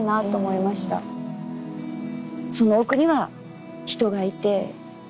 その奥には人がいて。